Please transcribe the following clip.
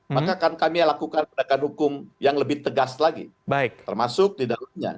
maka akan kami lakukan pendekatan hukum yang lebih tegas lagi termasuk di dalamnya